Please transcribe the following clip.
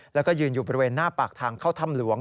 แล้วก็ยืนอยู่บริเวณหน้าปากทางเข้าถ้ำหลวง